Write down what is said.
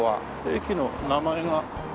駅の名前が。